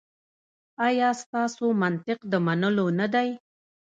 ایا ستاسو منطق د منلو نه دی؟